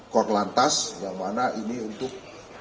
kor lantas yang mana ini untuk